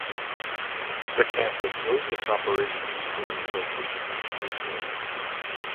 The campus moved its operations to the new location in the same year.